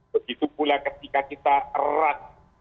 begitu pula ketika kita erat